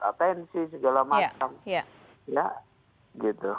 atensi segala macam ya gitu